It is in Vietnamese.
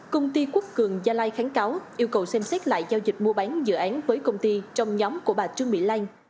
công ty quốc cường gia lai kháng cáo yêu cầu xem xét lại giao dịch mua bán dự án với công ty trong nhóm của bà trương mỹ lan